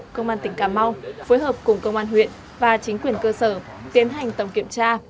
công an tỉnh cà mau phối hợp cùng công an huyện và chính quyền cơ sở tiến hành tổng kiểm tra